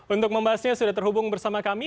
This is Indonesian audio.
untuk membahasnya sudah terhubung bersama kami